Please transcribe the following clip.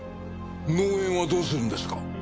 農園はどうするんですか？